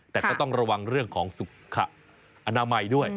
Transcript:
แต่ก็ต้องระวังเรื่องของสุขอนามัยด้วย